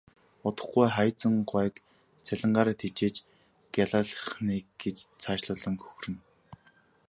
Удахгүй Хайнзан гуайг цалингаараа тэжээж гялайлгах нь ээ гэж цаашлуулан хөхөрнө.